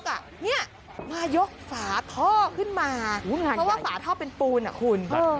เข้ามายกฝาท่อขึ้นมาเพราะว่าฝาท่อเป็นปูน